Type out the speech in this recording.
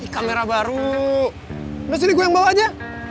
kamera baru mesin gua bawa aja